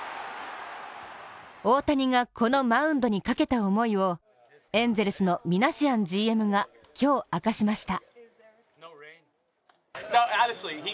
大谷がこのマウンドにかけた思いをエンゼルスのミナシアンＧＭが今日、明かしました。